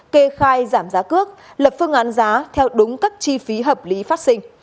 kê khai giảm giá cước lập phương án giá theo đúng các chi phí hợp lý phát sinh